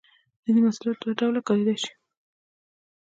ځینې محصولات دوه ډوله کاریدای شي.